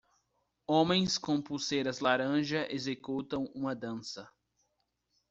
Homens com pulseiras laranja executam uma dança.